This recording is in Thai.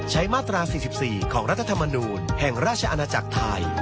มาตรา๔๔ของรัฐธรรมนูลแห่งราชอาณาจักรไทย